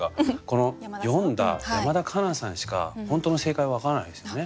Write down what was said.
この詠んだ山田香那さんしか本当の正解は分からないですよね。